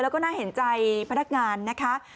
แล้วก็น่าเห็นใจพนักงานนะคะ